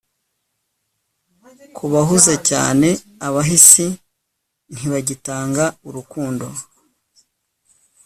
Kubahuze cyane abahisi ntibagitanga urukundo